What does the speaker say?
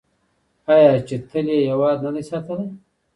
آیا چې تل یې هیواد نه دی ساتلی؟